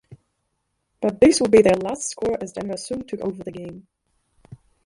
But this would be their last score as Denver soon took over the game.